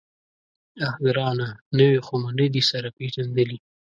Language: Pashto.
_اه ګرانه! نوي خو مو نه دي سره پېژندلي.